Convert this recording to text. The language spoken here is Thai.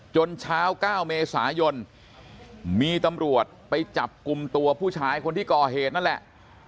เช้า๙เมษายนมีตำรวจไปจับกลุ่มตัวผู้ชายคนที่ก่อเหตุนั่นแหละ